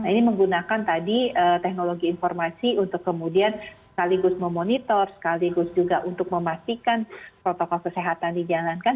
ini menggunakan tadi teknologi informasi untuk kemudian sekaligus memonitor sekaligus juga untuk memastikan protokol kesehatan dijalankan